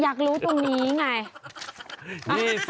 อยากรู้ตรงนี้ไง